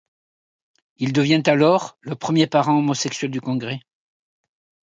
Il devient alors le premier parent homosexuel du Congrès.